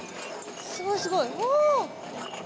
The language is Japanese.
すごいすごい。わ。